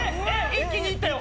一気にいったよ！